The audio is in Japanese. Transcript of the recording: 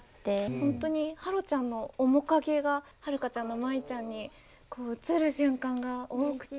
本当に芭路ちゃんの面影が遥ちゃんの舞ちゃんにこう映る瞬間が多くて。